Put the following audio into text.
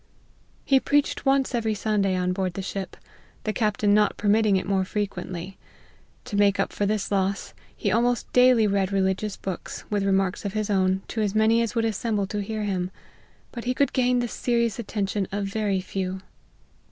He preached once every Sunday on board the ship, the captain not permitting it more frequently. To make up for this loss, he almost daily read re ligious books, with remarks of his own, to as many as would assemble to hear him ; but he could gain the serious attention of very few.